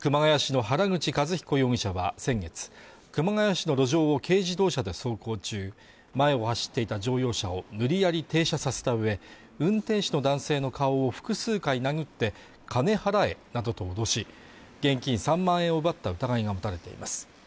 熊谷市の原口一彦容疑者は先月熊谷市の路上を軽自動車で走行中前を走っていた乗用車を無理やり停車させた上運転手の男性の顔を複数回殴って金払えなどと脅し現金３万円を奪った疑いが持たれています